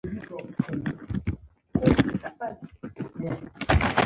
ګوهرعلي نفيس